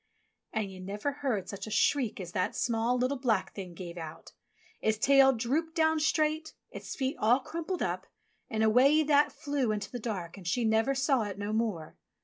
And you never heard such a shriek as that small, little, black Thing gave out. Its tail dropped down straight, its feet all crumpled up, and away That flew into the dark and she never saw it no more.